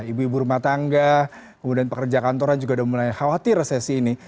ibu ibu rumah tangga kemudian pekerja kantoran juga sudah mulai khawatir resesi ini